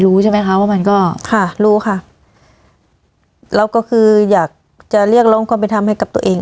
รู้ใช่ไหมคะว่ามันก็ค่ะรู้ค่ะเราก็คืออยากจะเรียกร้องความเป็นธรรมให้กับตัวเอง